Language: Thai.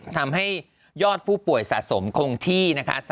ทำให้ยอดผู้ป่วยสะสมคงที่นะคะ